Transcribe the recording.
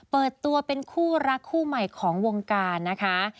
เปิดตัวเป็นคู่รักคู่ใหม่ของวงการนะคะ